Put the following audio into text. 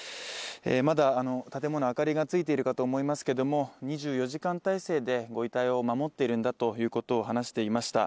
まだ建物明かりがついているかと思いますけども、２４時間体制でご遺体を守っているんだということを話していました。